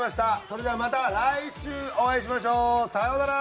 それではまた来週お会いしましょう。さようなら！